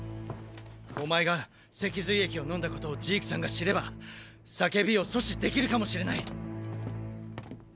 お前が脊髄液を飲んだことをジークさんが知れば「叫び」を阻止できるかもしれない。